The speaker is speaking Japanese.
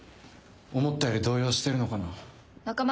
思ったより動揺してるのかな。